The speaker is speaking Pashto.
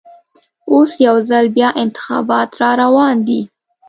اوس یوځل بیا انتخابات راروان دي.